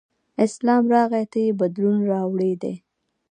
اسلام راغی ته یې بدلون راوړی دی.